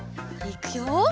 いくよ。